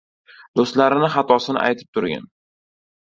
— Do‘stlaring xatosini aytib turgin.